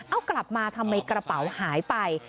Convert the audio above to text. เอากลับมาทำไมกระเป๋าหายไป